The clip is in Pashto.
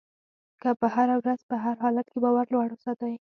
که په هره ورځ په هر حالت کې باور لوړ وساتئ.